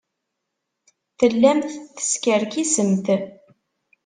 Tellamt teskerkisemt.